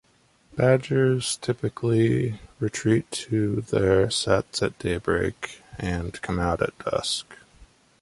Badgers typically retreat to their setts at daybreak and come out at dusk.